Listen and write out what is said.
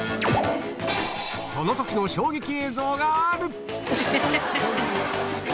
その時の衝撃映像がある！